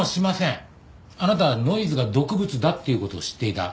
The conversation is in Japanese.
あなたはノイズが毒物だっていう事を知っていた。